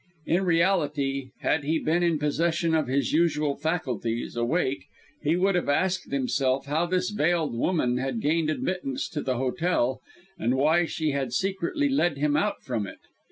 In reality, had he been in possession of his usual faculties, awake, he would have asked himself how this veiled woman had gained admittance to the hotel, and why she had secretly led him out from it.